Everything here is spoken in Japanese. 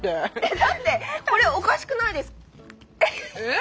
だってこれおかしくないですえっ。